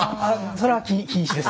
それは禁止です。